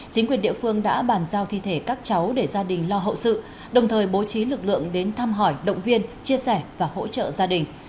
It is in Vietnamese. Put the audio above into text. chính quyền địa phương đã bàn giao thi thể các cháu để gia đình lo hậu sự đồng thời bố trí lực lượng đến thăm hỏi động viên chia sẻ và hỗ trợ gia đình